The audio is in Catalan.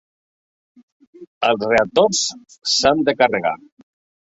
Els reactors s'han de carregar.